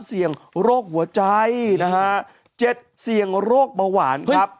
เสี่ยงโรคหัวใจนะฮะ๗เสี่ยงโรคเบาหวานครับ